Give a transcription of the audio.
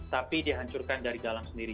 tapi dihancurkan dari dalam sendiri